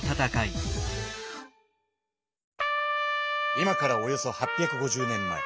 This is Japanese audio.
今からおよそ８５０年前。